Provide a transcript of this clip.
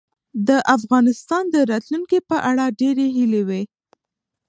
د افغانستان د راتلونکې په اړه ډېرې هیلې وې.